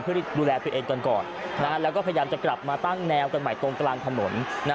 เพื่อดูแลตัวเองกันก่อนแล้วก็พยายามจะกลับมาตั้งแนวกันใหม่ตรงกลางถนน